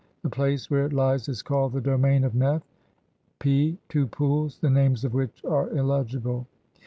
The place where it lies is called the "Domain of Neth". (p) Two Pools, the names of which are illegible.